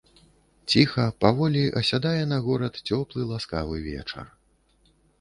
Ціха, паволі асядае на горад цёплы ласкавы вечар.